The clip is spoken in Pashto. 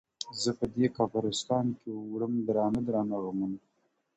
زه په دې کافرستان کي، وړم درانه ـ درانه غمونه.